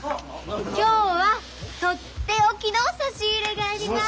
今日は取って置きの差し入れがあります。